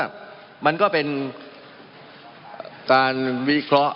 มันมีมาต่อเนื่องมีเหตุการณ์ที่ไม่เคยเกิดขึ้น